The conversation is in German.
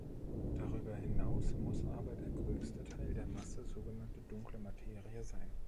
Darüber hinaus muss aber der größte Teil der Masse sogenannte Dunkle Materie sein.